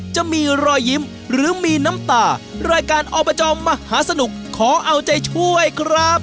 จะมีรอยยิ้มหรือมีน้ำตารายการอบจมหาสนุกขอเอาใจช่วยครับ